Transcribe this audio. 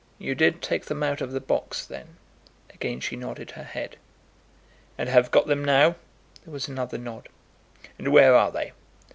"You did take them out of the box then?" Again she nodded her head. "And have got them now?" There was another nod. "And where are they?